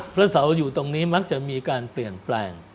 พระเสาอยู่ตรงนี้มักจะมีการเปลี่ยนแปลง